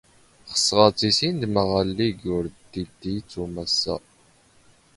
ⵅⵙⵖ ⴰⴷ ⵜⵉⵙⵉⵏⴷ ⵎⴰⵖⴰ ⵍⵍⵉ ⴳ ⴷ ⵓⵔ ⵉⴷⴷⵉ ⵜⵓⵎ ⴰⵙⵙ ⴰ.